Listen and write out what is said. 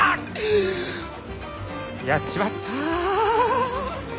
やっちまった。